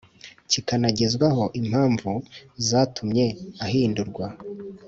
Kikanagezwaho impamvu zatumye ahindurwa